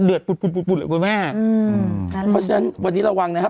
ปุดปุดปุดเลยคุณแม่อืมเพราะฉะนั้นวันนี้ระวังนะครับ